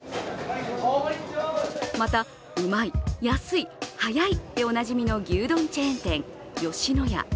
また、うまい・やすい・はやいでおなじみの牛丼チェーン店・吉野家。